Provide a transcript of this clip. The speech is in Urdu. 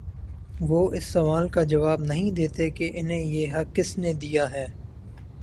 وہ اس سوال کا جواب نہیں دیتے کہ انہیں یہ حق کس نے دیا ہے۔